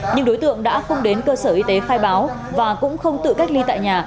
nhưng đối tượng đã không đến cơ sở y tế khai báo và cũng không tự cách ly tại nhà